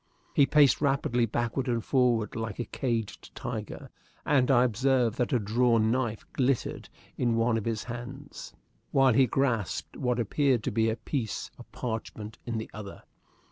He paced rapidly backward and forward like a caged tiger, and I observed that a drawn knife glittered in one of his hands, while he grasped what appeared to be a piece of parchment in the other.